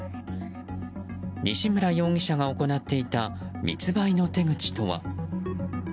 西村容疑者が行っていた密売の手口とは。